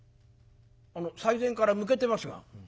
「あの最前から向けてますが」。